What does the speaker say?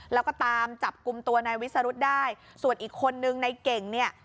แล้วก็ตามจับกลุ่มตัวนายวิสรุธได้ส่วนอีกคนนึงในเก่งเนี่ย